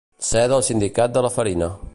Ser del sindicat de la farina.